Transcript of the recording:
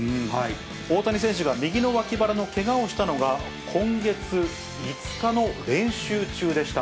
大谷選手が右の脇腹のけがをしたのが、今月５日の練習中でした。